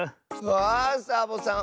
わあサボさん